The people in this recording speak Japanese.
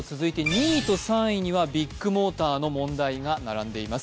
２位と３位にはビッグモーターの問題が並んでいます。